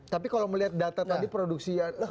tapi kalau melihat data tadi produksi